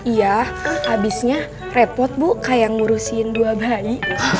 iya abisnya repot bu kayak ngurusin dua bayi